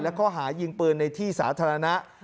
และข้อหายิงปืนในที่สาธารณะ